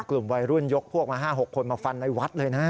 กลุ่มวัยรุ่นยกพวกมา๕๖คนมาฟันในวัดเลยนะ